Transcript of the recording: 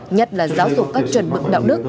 nhất là giáo dục các chuẩn mực đạo đức